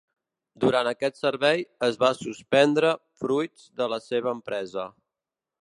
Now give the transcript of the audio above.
Durant aquest servei, es va suspendre Fruits de la seva empresa.